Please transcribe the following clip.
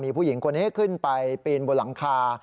ผู้หญิงคนนี้ขึ้นไปปีนบนหลังคา